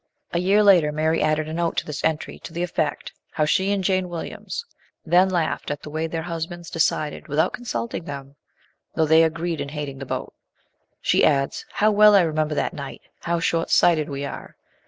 A year later Mary added a note to this entry, to the effect how she and Jane Williams then laughed at the way their husbands decided without consulting them, though they agreed iu hating the boat. She adds :" How well I re member that night ! How short sighted we are